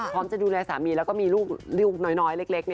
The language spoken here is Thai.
จะดูแลสามีแล้วก็มีลูกน้อยเล็ก